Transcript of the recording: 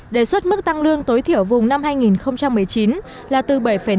đề xuất mức tăng lương tối thiểu vùng năm hai nghìn một mươi chín là từ bảy năm